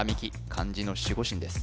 漢字の守護神です